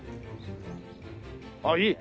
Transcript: ああいい。